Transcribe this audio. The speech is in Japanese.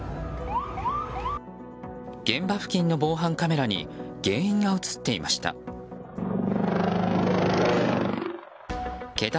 現場付近の防犯カメラに原因が映っていました。